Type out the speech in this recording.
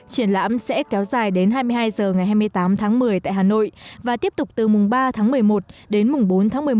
triển lãm sẽ kéo dài đến hai mươi hai h ngày hai mươi tám tháng một mươi tại hà nội và tiếp tục từ mùng ba tháng một mươi một đến mùng bốn tháng một mươi một